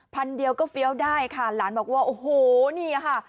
พันเดียวก็เฟี้ยวได้ค่ะหลานบอกว่าโอ้โหนี่ค่ะ